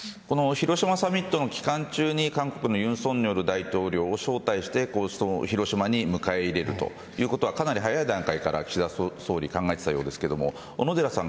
広島サミットの期間中に韓国のユ大統領を招待して広島に迎え入れるということは、かなり早い段階から岸田総理は考えていたようですが小野寺さん